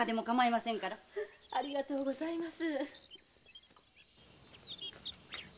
ありがとうございます。